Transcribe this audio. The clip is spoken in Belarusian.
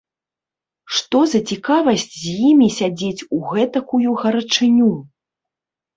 Што за цікавасць з імі сядзець у гэтакую гарачыню?